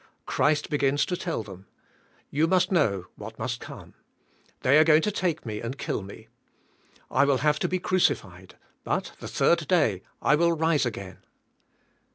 Christ begins to tell them, '' You must know what must come. They are going to take me and kill me. I will have to be crucified but the third day I will rise again."